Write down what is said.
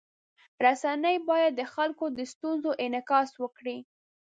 رسنۍ باید د خلکو د ستونزو انعکاس وکړي.